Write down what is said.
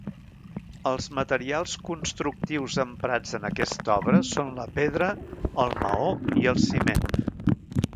Els materials constructius emprats en aquesta obra són la pedra, el maó i el ciment.